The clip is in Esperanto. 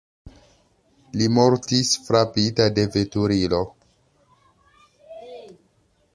Li mortis frapita de veturilo.